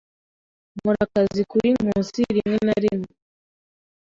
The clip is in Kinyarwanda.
Nkora akazi kuri Nkusi rimwe na rimwe.